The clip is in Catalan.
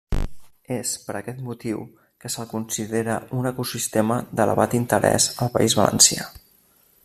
És per aquest motiu que se’l considera un ecosistema d'elevat interès al País Valencià.